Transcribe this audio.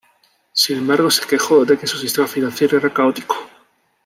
Sin embargo, se quejó de que su sistema financiero era caótico.